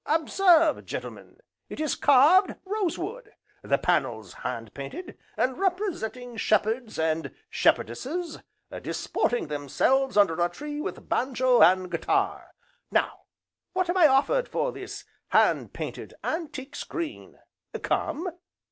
Observe, Gentlemen it is carved rosewood, the panels hand painted, and representing shepherds, and shepherdesses, disporting themselves under a tree with banjo and guitar. Now what am I offered for this hand painted, antique screen, come?"